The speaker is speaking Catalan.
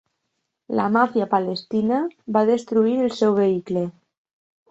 La màfia palestina va destruir el seu vehicle.